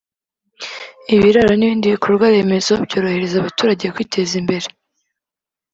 ibiraro n’ibindi bikorwa remezo byorohereza abaturage kwiteza imbere